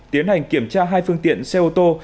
tiến hành kiểm tra hai phương tiện xe ô tô